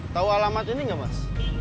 tau alamat ini gak mas